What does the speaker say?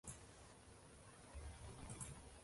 va boshqa sohalarda oliy yoki o‘rta maxsus ma’lumotli